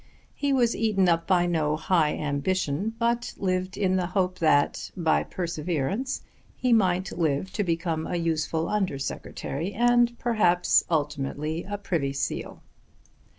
He was eaten up by no high ambition but lived in the hope that by perseverance he might live to become a useful Under Secretary, and perhaps, ultimately, a Privy Seal.